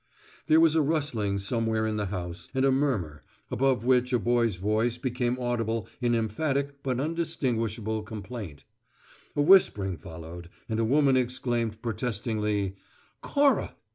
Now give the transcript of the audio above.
There was a rustling somewhere in the house and a murmur, above which a boy's voice became audible in emphatic but undistinguishable complaint. A whispering followed, and a woman exclaimed protestingly, "Cora!"